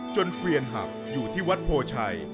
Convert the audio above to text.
เกวียนหักอยู่ที่วัดโพชัย